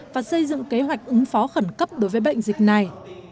và xây dựng kế hoạch ứng phó khẩn cấp đối với bệnh dịch này